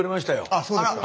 あそうですか。